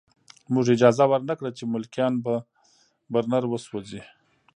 موږ اجازه ورنه کړه چې ملکیان په برنر وسوځوي